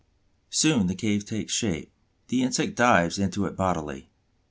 Soon the cave takes shape; the insect dives into it bodily.